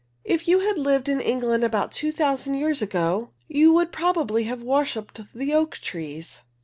If you had lived in England about two thousand years ago, you would probably have worshiped the oak trees.